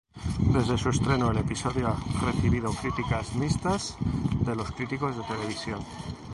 Desde su estreno, el episodio ha recibido críticas mixtas de los críticos de televisión.